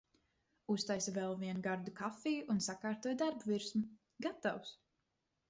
Uztaisu vēl vienu gardu kafiju un sakārtoju darbvirsmu. Gatavs!